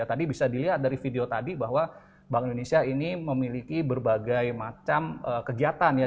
tadi bisa dilihat dari video tadi bahwa bank indonesia ini memiliki berbagai macam kegiatan ya